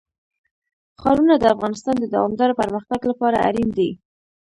ښارونه د افغانستان د دوامداره پرمختګ لپاره اړین دي.